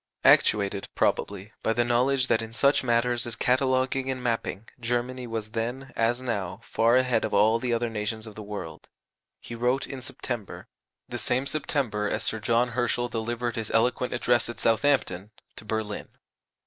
Actuated, probably, by the knowledge that in such matters as cataloguing and mapping Germany was then, as now, far ahead of all the other nations of the world, he wrote in September (the same September as Sir John Herschel delivered his eloquent address at Southampton) to Berlin.